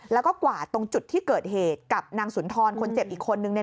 แล้วก็กวาดตรงจุดที่เกิดเหตุกับนางสุนทรคนเจ็บอีกคนนึง